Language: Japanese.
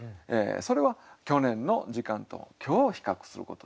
それは去年の時間と今日を比較すること。